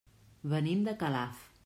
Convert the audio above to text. Venim de Calaf.